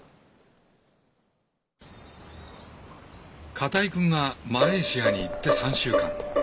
片居くんがマレーシアに行って３週間。